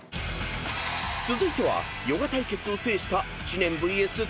［続いてはヨガ対決を制した］